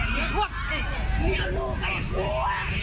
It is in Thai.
ไม่เอาลูกไม่เอาผัว